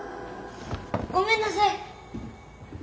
ごめんなさい。